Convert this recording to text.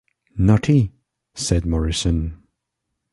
"Not he," said Morrison.